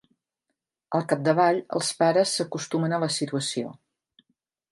Al capdavall, els pares s'acostumen a la situació.